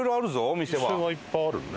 お店はいっぱいあるね。